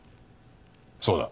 そうだ。